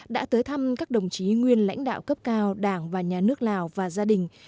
đã tới thăm các đồng chí nguyên lãnh đạo cấp cao đảng và nhà nước lào và gia đình